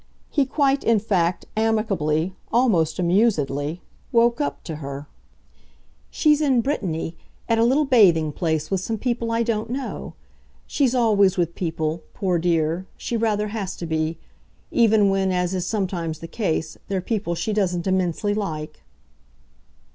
He quite in fact amicably, almost amusedly, woke up to her. "She's in Brittany, at a little bathing place, with some people I don't know. She's always with people, poor dear she rather has to be; even when, as is sometimes the case; they're people she doesn't immensely like."